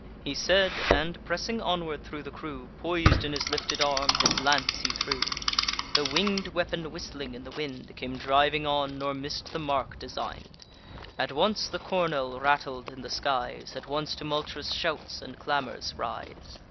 He said; and, pressing onward thro' the crew, Pois'd in his lifted arm, his lance he threw. The winged weapon, whistling in the wind, Came driving on, nor miss'd the mark design'd. At once the cornel rattled in the skies; At once tumultuous shouts and clamours rise.